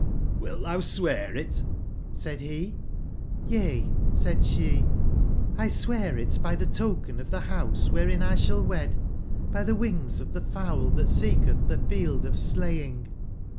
'Cdilt thou swear it?' said he. ' Y^^/ ^^^^ she, '1 swear it by the token of the House wherein I shall wed ; by the wings of the fowl that seeketh the field of Slaying.'